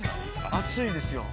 暑いですよ。